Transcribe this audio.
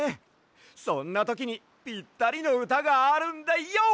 そんなときにぴったりのうたがあるんだＹＯ！